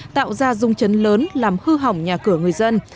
tạo ra rung chấn lớn làm hư hỏng nhà cửa người dân